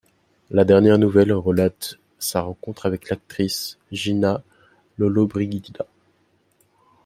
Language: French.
La dernière nouvelle relate sa rencontre avec l'actrice, Gina Lollobrigida.